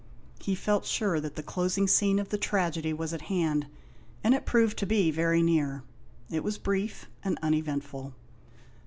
He felt sure that the closing scene of the tragedy was at hand, and it proved to be very near. It was brief and uneventful.